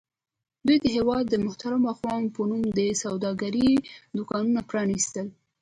دوی د هېواد د محترمو اقوامو په نوم د سوداګرۍ دوکانونه پرانیستل.